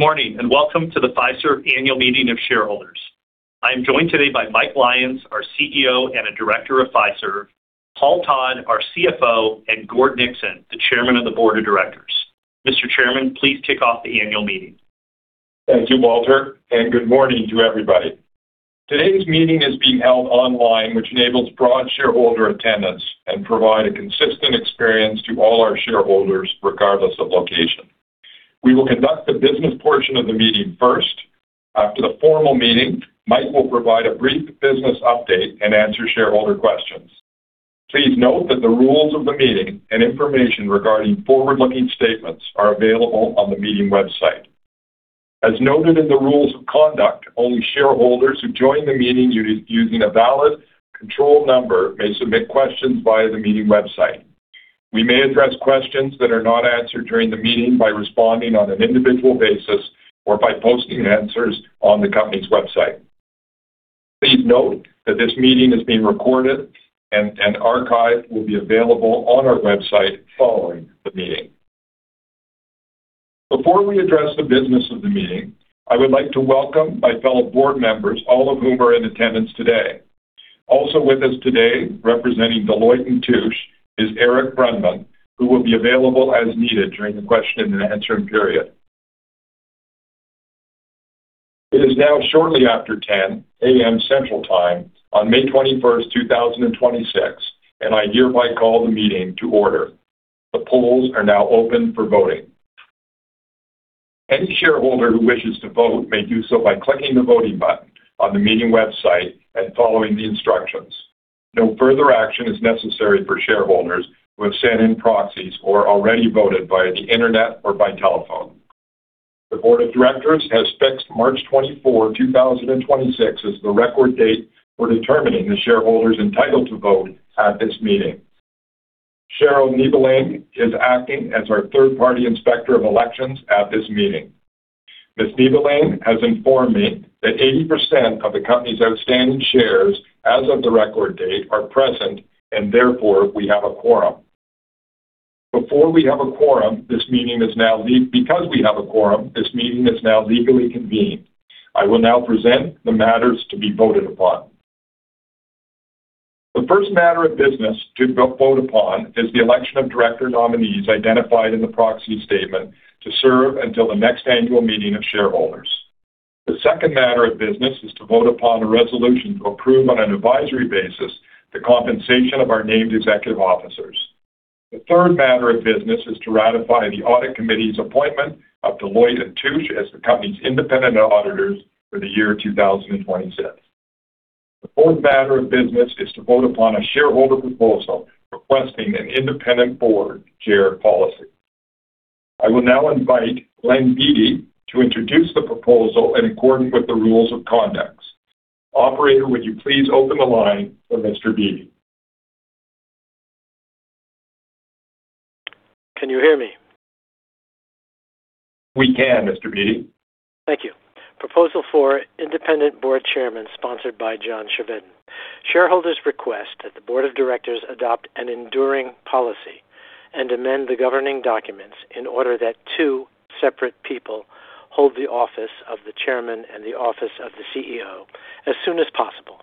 Good morning, and welcome to the Fiserv Annual Meeting of Shareholders. I am joined today by Mike Lyons, our CEO and a Director of Fiserv, Paul Todd, our CFO, and Gordon Nixon, the Chairman of the Board of Directors. Mr. Chairman, please kick off the annual meeting. Thank you, Walter, and good morning to everybody. Today's meeting is being held online, which enables broad shareholder attendance and provide a consistent experience to all our shareholders, regardless of location. We will conduct the business portion of the meeting first. After the formal meeting, Mike will provide a brief business update and answer shareholder questions. Please note that the rules of the meeting and information regarding forward-looking statements are available on the meeting website. As noted in the rules of conduct, only shareholders who join the meeting using a valid control number may submit questions via the meeting website. We may address questions that are not answered during the meeting by responding on an individual basis or by posting answers on the company's website. Please note that this meeting is being recorded and an archive will be available on our website following the meeting. Before we address the business of the meeting, I would like to welcome my fellow board members, all of whom are in attendance today. Also with us today, representing Deloitte & Touche, is Eric Brennan, who will be available as needed during the question and answering period. It is now shortly after 10:00 A.M. Central Time on May 21st, 2026. I hereby call the meeting to order. The polls are now open for voting. Any shareholder who wishes to vote may do so by clicking the Voting button on the meeting website and following the instructions. No further action is necessary for shareholders who have sent in proxies or already voted via the Internet or by telephone. The board of directors has fixed March 24, 2026, as the record date for determining the shareholders entitled to vote at this meeting. Cheryl Niebeling is acting as our third-party inspector of elections at this meeting. Ms. Niebeling has informed me that 80% of the company's outstanding shares as of the record date are present, and therefore, we have a quorum. because we have a quorum, this meeting is now legally convened. I will now present the matters to be voted upon. The first matter of business to vote upon is the election of director nominees identified in the proxy statement to serve until the next annual meeting of shareholders. The second matter of business is to vote upon a resolution to approve on an advisory basis the compensation of our named executive officers. The third matter of business is to ratify the audit committee's appointment of Deloitte & Touche as the company's independent auditors for the year 2026. The fourth matter of business is to vote upon a shareholder proposal requesting an independent board chair policy. I will now invite Glenn Beatty to introduce the proposal in accordance with the rules of conduct. Operator, would you please open the line for Mr. Beatty? Can you hear me? We can, Mr. Beatty. Thank you. Proposal four, independent board chairman, sponsored by John Chevedden. Shareholders request that the board of directors adopt an enduring policy and amend the governing documents in order that two separate people hold the office of the chairman and the office of the CEO as soon as possible.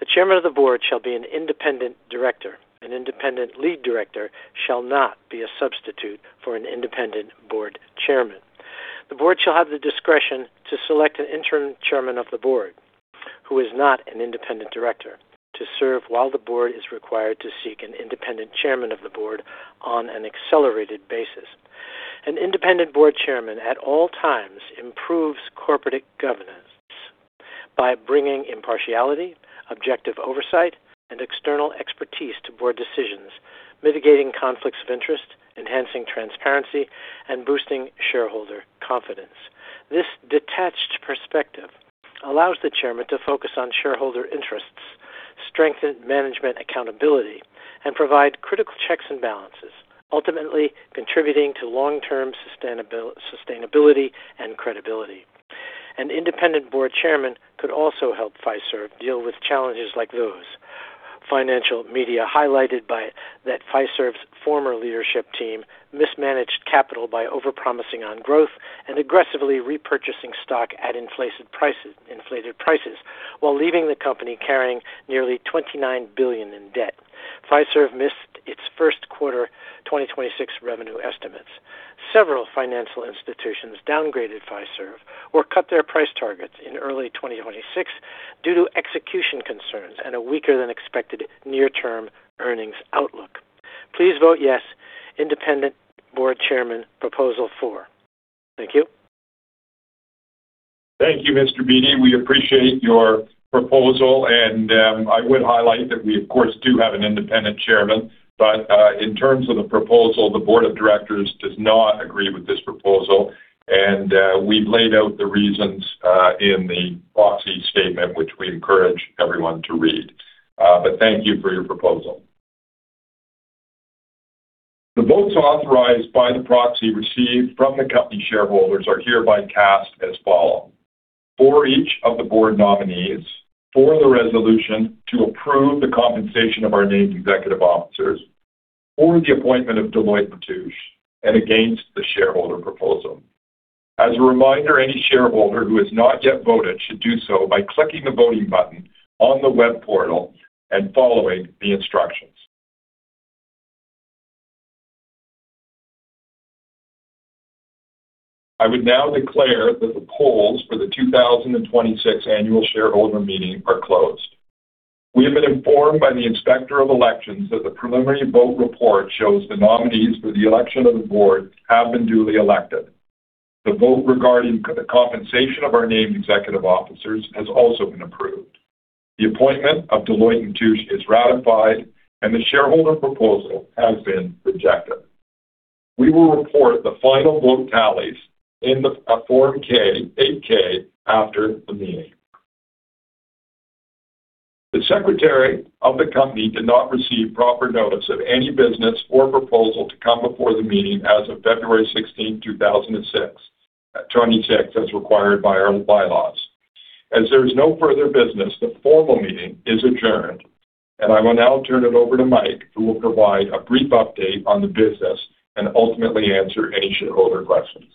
The chairman of the board shall be an independent director. An independent lead director shall not be a substitute for an independent board chairman. The board shall have the discretion to select an interim chairman of the board who is not an independent director to serve while the board is required to seek an independent chairman of the board on an accelerated basis. An independent board chairman, at all times, improves corporate governance by bringing impartiality, objective oversight, and external expertise to board decisions, mitigating conflicts of interest, enhancing transparency, and boosting shareholder confidence. This detached perspective allows the chairman to focus on shareholder interests, strengthen management accountability, and provide critical checks and balances, ultimately contributing to long-term sustainability and credibility. An independent board chairman could also help Fiserv deal with challenges like those. Financial media highlighted that Fiserv's former leadership team mismanaged capital by overpromising on growth and aggressively repurchasing stock at inflated prices, while leaving the company carrying nearly $29 billion in debt. Fiserv missed its first quarter 2026 revenue estimates. Several financial institutions downgraded Fiserv or cut their price targets in early 2026 due to execution concerns and a weaker than expected near-term earnings outlook. Please vote yes, independent board chairman, Proposal 4. Thank you. Thank you, Mr. Beatty. We appreciate your proposal. I would highlight that we of course, do have an independent Chairman. In terms of the proposal, the board of directors does not agree with this proposal. We've laid out the reasons in the proxy statement, which we encourage everyone to read. Thank you for your proposal. The votes authorized by the proxy received from the company shareholders are hereby cast as follows. For each of the board nominees, for the resolution to approve the compensation of our named executive officers, for the appointment of Deloitte & Touche, against the shareholder proposal. As a reminder, any shareholder who has not yet voted should do so by clicking the voting button on the web portal and following the instructions. I would now declare that the polls for the 2026 annual shareholder meeting are closed. We have been informed by the Inspector of Elections that the preliminary vote report shows the nominees for the election of the Board have been duly elected. The vote regarding the compensation of our named executive officers has also been approved. The appointment of Deloitte & Touche is ratified, and the shareholder proposal has been rejected. We will report the final vote tallies in the Form 8-K after the meeting. The Secretary of the company did not receive proper notice of any business or proposal to come before the meeting as of February 16th, 2026, as required by our bylaws. As there is no further business, the formal meeting is adjourned. I will now turn it over to Mike, who will provide a brief update on the business and ultimately answer any shareholder questions.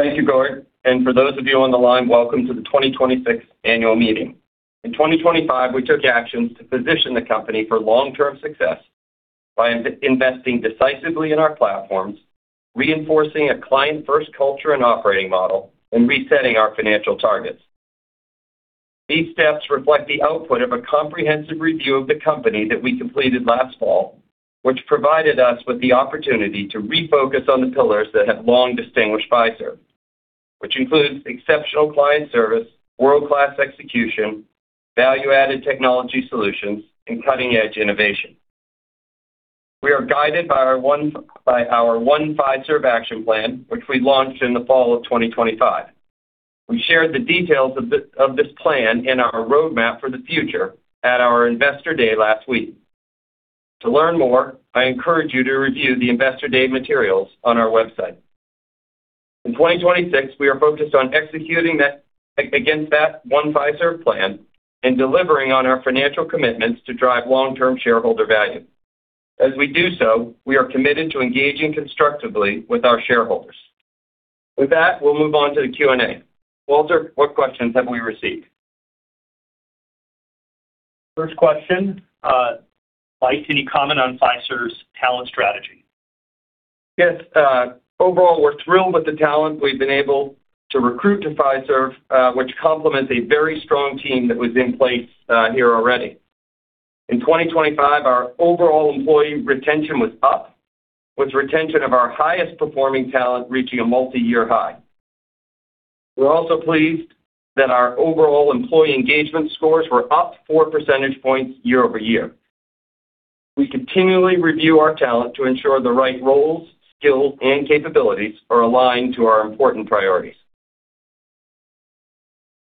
Thank you, Gordon. For those of you on the line, welcome to the 2026 annual meeting. In 2025, we took actions to position the company for long-term success by investing decisively in our platforms, reinforcing a client-first culture and operating model, and resetting our financial targets. These steps reflect the output of a comprehensive review of the company that we completed last fall, which provided us with the opportunity to refocus on the pillars that have long distinguished Fiserv, which includes exceptional client service, world-class execution, value-added technology solutions, and cutting-edge innovation. We are guided by our One Fiserv action plan, which we launched in the fall of 2025. We shared the details of this plan in our roadmap for the future at our Investor Day last week. To learn more, I encourage you to review the Investor Day materials on our website. In 2026, we are focused on executing that, against that One Fiserv plan and delivering on our financial commitments to drive long-term shareholder value. As we do so, we are committed to engaging constructively with our shareholders. With that, we'll move on to the Q&A. Walter, what questions have we received? First question. Mike, any comment on Fiserv's talent strategy? Yes. Overall, we're thrilled with the talent we've been able to recruit to Fiserv, which complements a very strong team that was in place here already. In 2025, our overall employee retention was up, with retention of our highest-performing talent reaching a multi-year high. We're also pleased that our overall employee engagement scores were up four percentage points year-over-year. We continually review our talent to ensure the right roles, skills, and capabilities are aligned to our important priorities.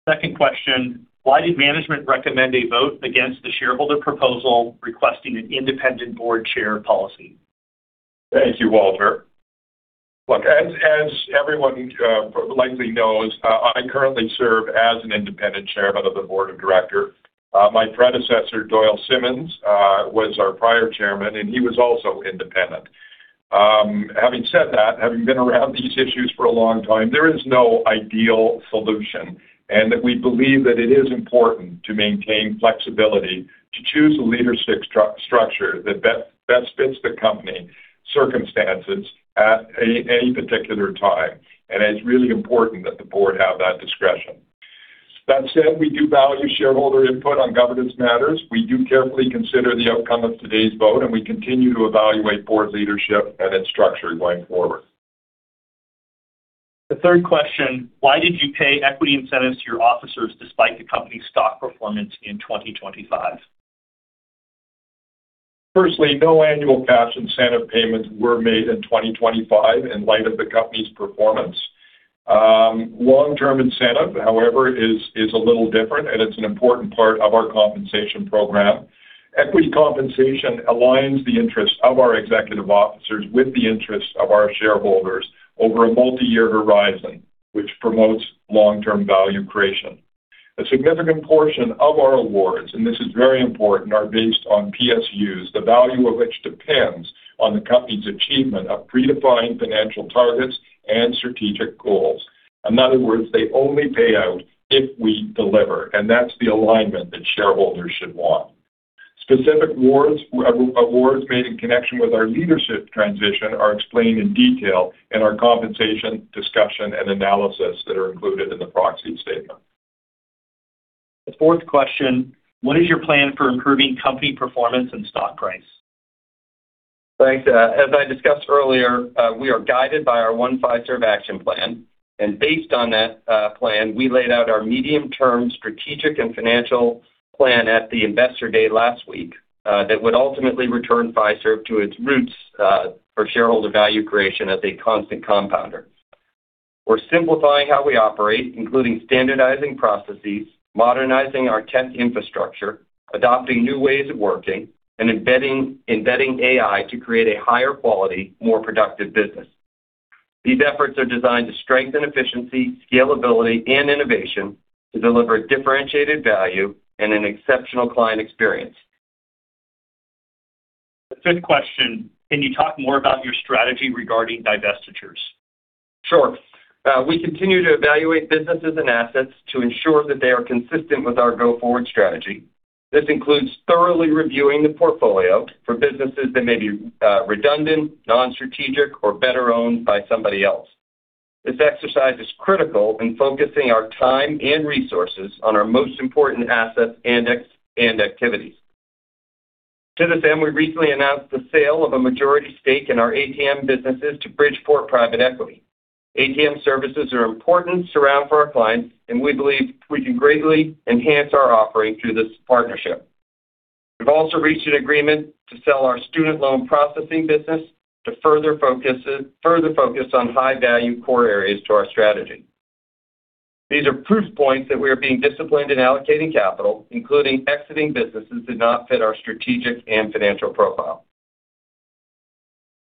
Second question, why did management recommend a vote against the shareholder proposal requesting an independent board chair policy? Thank you, Walter. Look, as everyone likely knows, I currently serve as an independent Chairman of the Board of Directors. My predecessor, Doyle R. Simons, was our prior Chairman, and he was also independent. Having said that, having been around these issues for a long time, there is no ideal solution, and that we believe that it is important to maintain flexibility to choose a leadership structure that best fits the company's circumstances at any particular time. It's really important that the board have that discretion. That said, we do value shareholder input on governance matters. We do carefully consider the outcome of today's vote, and we continue to evaluate board leadership and its structure going forward. The third question, why did you pay equity incentives to your officers despite the company's stock performance in 2025? Firstly, no annual cash incentive payments were made in 2025 in light of the company's performance. Long-term incentive, however, is a little different, and it's an important part of our compensation program. Equity compensation aligns the interest of our executive officers with the interests of our shareholders over a multi-year horizon, which promotes long-term value creation. A significant portion of our awards, and this is very important, are based on PSUs, the value of which depends on the company's achievement of predefined financial targets and strategic goals. In other words, they only pay out if we deliver, and that's the alignment that shareholders should want. Specific awards made in connection with our leadership transition are explained in detail in our compensation discussion and analysis that are included in the proxy statement. The fourth question, what is your plan for improving company performance and stock price? Thanks. As I discussed earlier, we are guided by our One Fiserv action plan, and based on that plan, we laid out our medium-term strategic and financial plan at the Investor Day last week, that would ultimately return Fiserv to its roots for shareholder value creation as a constant compounder. We're simplifying how we operate, including standardizing processes, modernizing our tech infrastructure, adopting new ways of working, and embedding AI to create a higher quality, more productive business. These efforts are designed to strengthen efficiency, scalability, and innovation to deliver differentiated value and an exceptional client experience. Fifth question, can you talk more about your strategy regarding divestitures? Sure. We continue to evaluate businesses and assets to ensure that they are consistent with our go-forward strategy. This includes thoroughly reviewing the portfolio for businesses that may be redundant, non-strategic, or better owned by somebody else. This exercise is critical in focusing our time and resources on our most important assets and activities. To this end, we recently announced the sale of a majority stake in our ATM businesses to Bridgeport Private Equity. ATM services are an important surround for our clients, and we believe we can greatly enhance our offering through this partnership. We've also reached an agreement to sell our student loan processing business to further focus on high-value core areas to our strategy. These are proof points that we are being disciplined in allocating capital, including exiting businesses that do not fit our strategic and financial profile.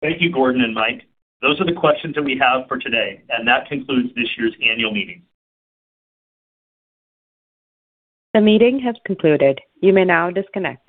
Thank you, Gordon and Mike. Those are the questions that we have for today. That concludes this year's annual meeting. The meeting has concluded. You may now disconnect.